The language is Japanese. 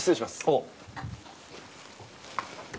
おう。